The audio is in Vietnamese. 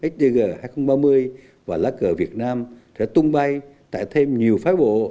sdg hai nghìn ba mươi và lá cờ việt nam sẽ tung bay tại thêm nhiều phái bộ